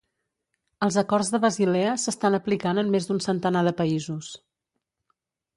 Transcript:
Els acords de Basilea s'estan aplicant en més d'un centenar de països.